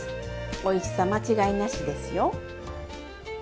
おいしさ間違いなしですよ！